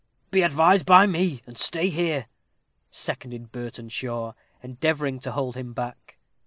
"Be advised by me, and stay here," seconded Burtenshaw, endeavoring to hold him back.